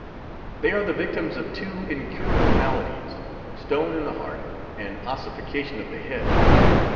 They are the victims of two incurable maladies: stone in the heart, and ossification of the head.